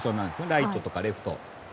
ライトとか、レフトですね。